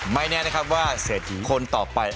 ไม่แน่นะครับว่าเศรษฐีคนต่อไป